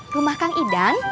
rumah kang idan